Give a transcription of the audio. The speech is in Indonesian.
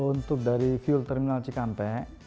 untuk dari fuel terminal cikampek